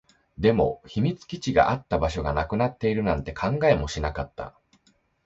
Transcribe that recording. でも、秘密基地があった場所がなくなっているなんて考えもしなかった